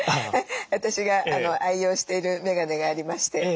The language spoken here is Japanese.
私が愛用しているメガネがありまして